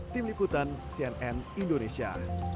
tim liputan cnn indonesia